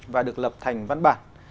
và được lập thành văn bản